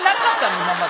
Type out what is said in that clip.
今まで。